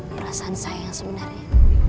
perasaan saya yang sebenarnya